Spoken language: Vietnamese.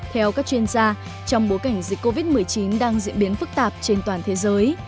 theo các chuyên gia trong bối cảnh dịch covid một mươi chín đang diễn biến phức tạp trên toàn thế giới